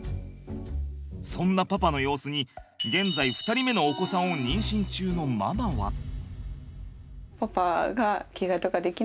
そんなパパの様子に現在２人目のお子さんを妊娠中のママは。